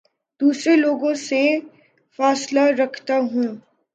دوسرے لوگوں سے فاصلہ رکھتا ہوں